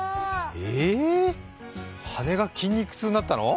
えー、羽が筋肉痛になったの？